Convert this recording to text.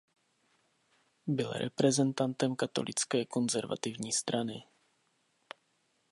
Byl reprezentantem katolické konzervativní strany.